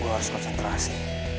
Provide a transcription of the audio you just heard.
gue harus ke centrasi